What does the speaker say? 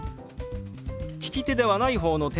利き手ではない方の手の親指